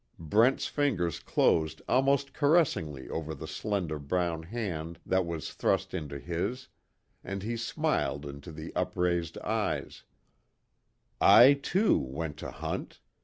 Brent's fingers closed almost caressingly over the slender brown hand that was thrust into his and he smiled into the upraised eyes: "I, too, went to hunt.